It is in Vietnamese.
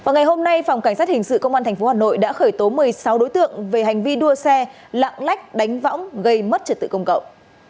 ngày hôm nay phòng cảnh sát hình sự công an tp hà nội đã khởi tố một mươi sáu đối tượng về hành vi đua xe lạng lách đánh võng gây mất trật tự công cộng